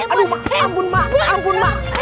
aduh ma ampun ma ampun ma ampun ma